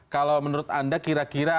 kalau menurut anda kira kira